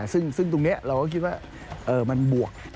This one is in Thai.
ซึ่งตรงนี้เราก็คิดว่ามันบวก